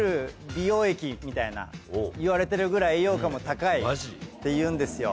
みたいないわれてるぐらい栄養価も高いっていうんですよ。